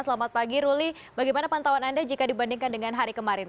selamat pagi ruli bagaimana pantauan anda jika dibandingkan dengan hari kemarin